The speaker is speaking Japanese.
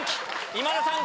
今田さん